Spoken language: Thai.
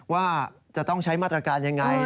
ว่าจะต้องใช้มาตรการยังไง